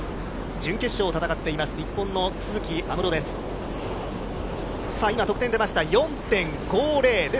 準決勝を戦っています、日本の都筑有夢路です。